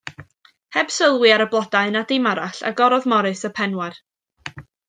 Heb sylwi ar y blodau na dim arall, agorodd Morris y penwar.